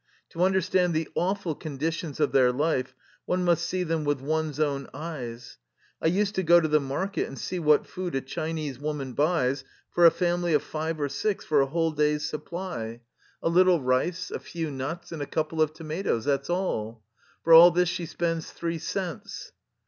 To understand the awful con ditions of their life, one must see them with one's own eyes. I used to go to the market and see what food a Chinese woman buys for a fam ily of йте or six for a whole day's supply. A 248 THE LIFE STORY OF A RUSSIAN EXILE little rice, a few nuts, and a couple of tomatoes, that 's all. For all this she spends three cents.